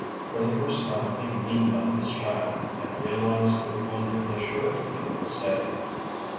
For the first time he leaned on his child, and realized with wonder the surety of the stay.